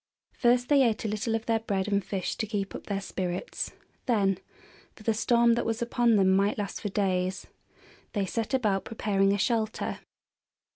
First they ate a little of their bread and fish to keep up their spirits; then for the storm that was upon them might last for days they set about preparing a shelter.